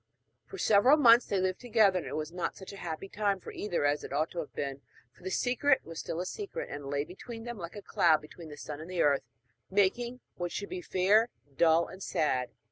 For several months they lived together; and it was not such a happy time for either as it ought to have been, for the secret was still a secret, and lay between them like a cloud between the sun and the earth, making what should be fair, dull and sad.